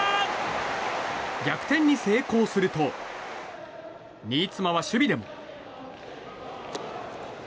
逆転に成功すると新妻は守備でも。